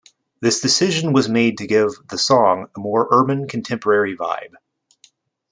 This decision was made to give the song a more urban contemporary vibe.